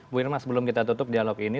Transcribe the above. bu irma sebelum kita tutup dialog ini